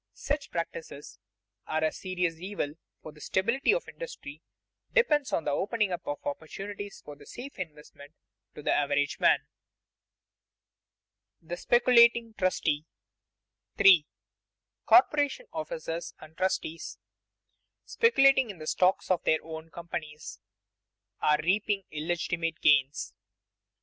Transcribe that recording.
Such practices are a serious evil, for the stability of industry depends on the opening up of opportunities for safe investment to the average man. [Sidenote: The speculating trustee] 3. _Corporation officers and trustees, speculating in the stocks of their own companies, are reaping illegitimate gains.